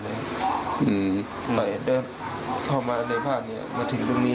ถึงตรงนี้